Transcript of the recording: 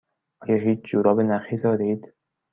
آیا هیچ جوراب نخی دارید؟